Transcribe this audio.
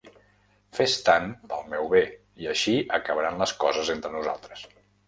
Fes tant pel meu bé, i així acabaran les coses entre nosaltres!